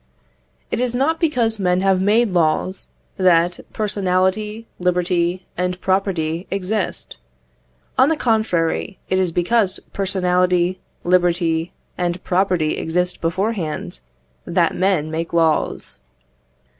It is not because men have made laws, that personality, liberty, and property exist. On the contrary, it is because personality, liberty, and property exist beforehand, that men make laws.